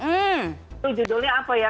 itu judulnya apa ya